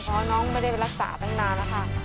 เพราะน้องไม่ได้ไปรักษาตั้งนานแล้วค่ะ